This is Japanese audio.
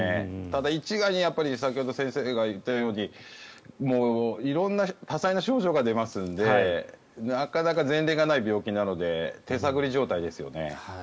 ただ一概に先ほど先生が言ったように色んな多彩な症状が出ますのでなかなか前例がない病気なので手探り状態ですよね。